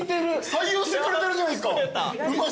採用してくれてるじゃないですか「うまじょ」